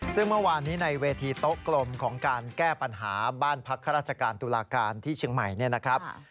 ซึ่งเมื่อวานนี้ในเวทีโต๊ะกลมของการแก้ปัญหาบ้านพักข้าราชการตุลาการที่เชียงใหม่เนี่ยนะครับ